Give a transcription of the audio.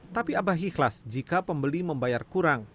tapi abah ikhlas jika pembeli membayar kurang